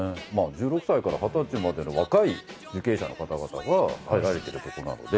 １６歳から二十歳までの若い受刑者の方々が入られてるとこなので。